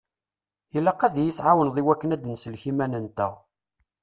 Ilaq ad yi-tɛawneḍ i wakken ad nsellek iman-nteɣ.